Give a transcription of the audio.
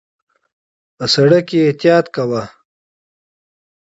په سړک کې احتیاط وکړئ